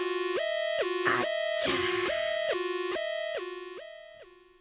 あっちゃ。